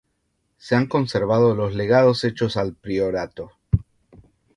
Se han conservado los legados hechos al priorato.